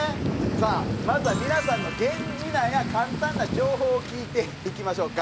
さあまずは皆さんの源氏名や簡単な情報を聞いていきましょうか。